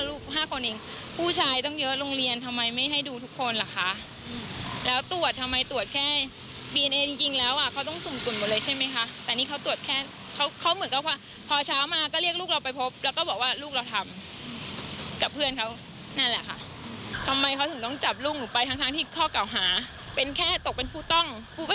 ห้าคนเองผู้ชายต้องเยอะโรงเรียนทำไมไม่ให้ดูทุกคนล่ะคะแล้วตรวจทำไมตรวจแค่บีเอ็นจริงแล้วอ่ะเขาต้องสุ่มตรวจหมดเลยใช่ไหมคะแต่นี่เขาตรวจแค่เขาเขาเหมือนกับว่าพอเช้ามาก็เรียกลูกเราไปพบแล้วก็บอกว่าลูกเราทำกับเพื่อนเขานั่นแหละค่ะทำไมเขาถึงต้องจับลูกหนูไปทั้งทั้งที่ข้อเก่าหาเป็นแค่ตกเป็นผู้ต้อง